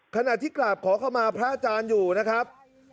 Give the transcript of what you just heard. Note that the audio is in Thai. ขณะที่กราบขอเข้ามาพระอาจารย์อยู่นะครับ